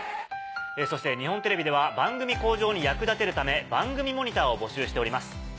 そして日本テレビでは番組向上に役立てるため番組モニターを募集しております。